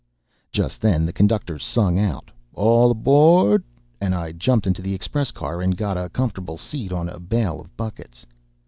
] Just then the conductor sung out "All aboard," and I jumped into the express car and got a comfortable seat on a bale of buckets.